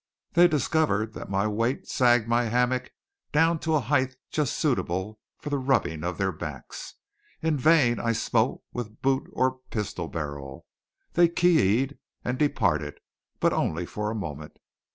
They discovered that my weight sagged my hammock down to a height just suitable for the rubbing of their backs. In vain I smote with boot or pistol barrel. They kiyied and departed; but only for a moment.